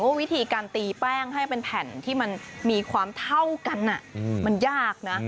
วิธีการตีแป้งให้เป็นแผ่นที่มันมีความเท่ากันมันยากนะ